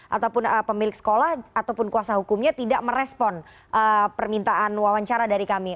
ataupun pemilik sekolah ataupun kuasa hukumnya tidak merespon permintaan wawancara dari kami